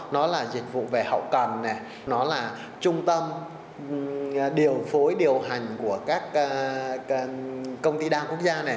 nó là dịch vụ về hậu cần nó là trung tâm điều phối điều hành của các công ty đa quốc gia này